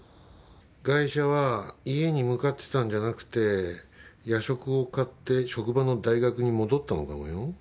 ガイシャは家に向かってたんじゃなくて夜食を買って職場の大学に戻ったのかもよ？